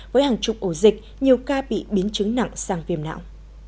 với hàng chục ổ dịch nhiều ca bị biến chứng nặng sang viêm não